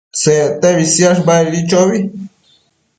Sectebi siash badedi chobi